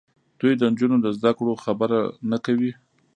دوی د نجونو د زدهکړو خبره نه کوي.